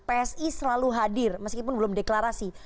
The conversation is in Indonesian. psi selalu hadir meskipun belum deklarasi